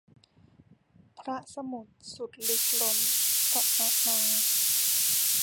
พระสมุทรสุดลึกล้น คณนา